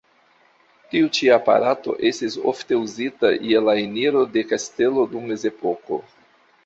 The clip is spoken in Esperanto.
Tiu ĉi aparato estis ofte uzita je la eniro de kastelo dum Mezepoko.